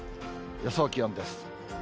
予想気温です。